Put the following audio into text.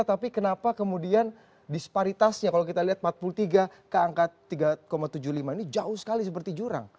tapi kenapa kemudian disparitasnya kalau kita lihat empat puluh tiga ke angka tiga tujuh puluh lima ini jauh sekali seperti jurang